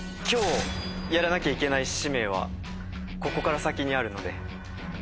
今日やらなきゃいけない使命はここから先にあるので。